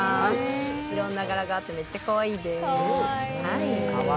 いろんな柄があってめっちゃかわいいです。